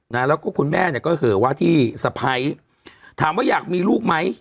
นะแล้วก็คุณแม่เนี่ยก็เหอะว่าที่สะพ้ายถามว่าอยากมีลูกไหม